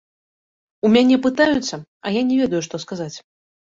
У мяне пытаюцца, а я не ведаю што сказаць.